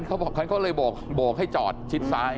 เพราะฉะนั้นเขาเลยโบกให้จอดชิดซ้าย